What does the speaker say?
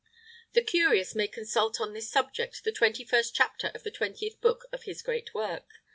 The curious may consult on this subject the twenty first chapter of the twentieth book of his great work.